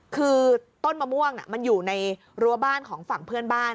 คือต้นมะม่วงมันอยู่ในรั้วบ้านของฝั่งเพื่อนบ้าน